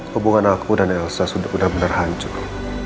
hubungan aku dan elsa sudah benar benar hancur